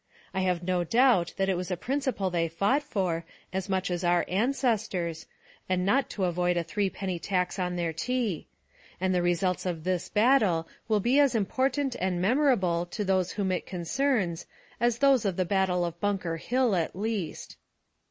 I have no doubt that it was a principle they fought for, as much as our ancestors, and not to avoid a three penny tax on their tea; and the results of this battle will be as important and memorable to those whom it concerns as those of the battle of Bunker Hill, at least.